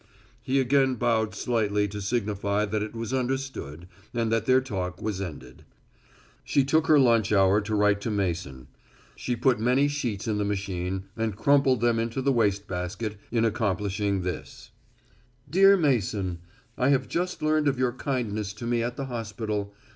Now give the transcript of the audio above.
He again bowed slightly to signify that it was understood and that their talk was ended. She took her lunch hour to write to Mason. She put many sheets in the machine and crumpled them into the waste basket in accomplishing this: _Dear Mason: I have just learned of your kindness to me at the hospital.